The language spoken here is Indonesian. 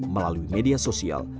melalui media sosial